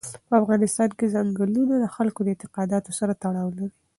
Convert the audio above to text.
په افغانستان کې ځنګلونه د خلکو د اعتقاداتو سره تړاو لري.